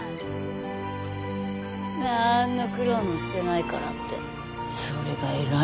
何の苦労もしてないからってそれが偉いの？